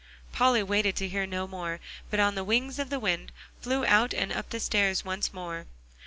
Polly waited to hear no more, but on the wings of the wind, flew out and up the stairs once more.